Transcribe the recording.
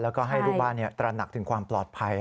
แล้วก็ให้ลูกบ้านตระหนักถึงความปลอดภัย